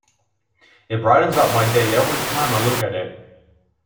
It brightens up my day every time I look at it.